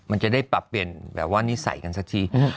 มันจะได้ปรับเปลี่ยนแบบว่านิสัยกันสักที